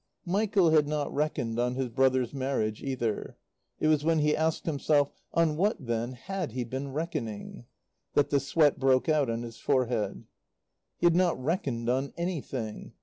Michael had not reckoned on his brother's marriage, either. It was when he asked himself: "On what, then, had he been reckoning?" that the sweat broke out on his forehead. He had not reckoned on anything.